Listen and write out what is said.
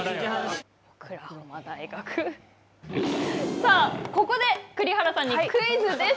さあここで栗原さんにクイズです。